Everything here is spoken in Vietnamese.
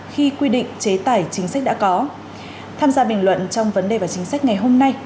khi quy định chế tài chính sách đã có tham gia bình luận trong vấn đề và chính sách ngày hôm nay